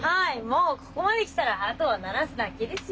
もうここまできたらあとはならすだけですよ。